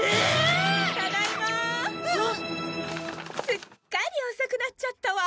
すっかり遅くなっちゃったわ。